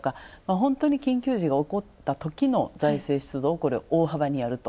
ほんとに緊急時が起こったときの財政出動をこれを大幅にやると。